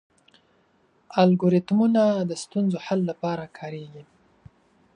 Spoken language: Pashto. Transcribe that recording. الګوریتمونه د ستونزو حل لپاره کارېږي.